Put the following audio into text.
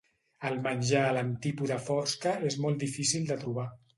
El menjar a l'Antípoda Fosca és molt difícil de trobar.